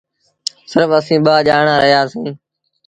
سرڦ اَسيٚݩ ٻآ ڄآڻآن رهيآ سيٚݩ۔